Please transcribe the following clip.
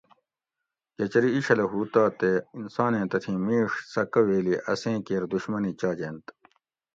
کہ چری ایچھلہ ہُو تہ تے انسانیں تتھیں مِیڛ سکہ ویلی اسیں کیر دُشمنی چاجنت